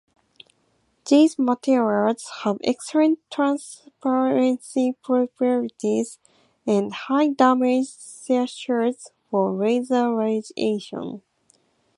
These materials have excellent transparency properties and high damage thresholds for laser radiation.